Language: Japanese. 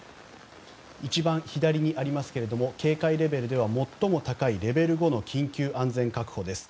一番左にありますが警戒レベルでは最も高いレベル５の緊急安全確保です。